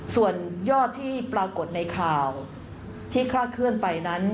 ส่วนยอดที่ปรากฏในข่าวที่คลาดเคลื่อนไปนั้น